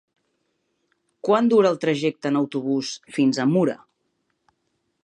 Quant dura el trajecte en autobús fins a Mura?